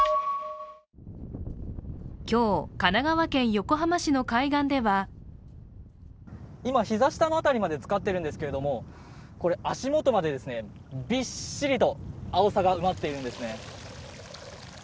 今日、神奈川県横浜市の海岸では今、膝下の辺りまでつかっているんですけどこれ、足元までびっしりと、あおさが埋まっているんですね。